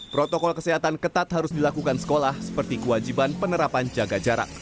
protokol kesehatan ketat harus dilakukan sekolah seperti kewajiban penerapan jaga jarak